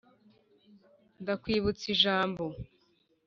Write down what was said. ndakwibutsa ijambo